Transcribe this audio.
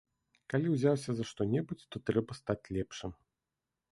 Калі ўзяўся за што-небудзь, то трэба стаць лепшым.